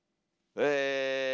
え。